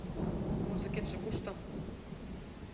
— Музыкетше кушто?